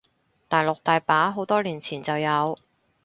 大陸大把，好多年前就有